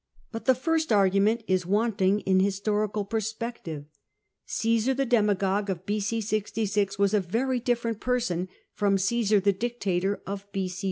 But the first argument is wanting in historical perspective. Caesar, the dema gogue of B.a 66, was a veVy different person from Omsar the dictator of B.c.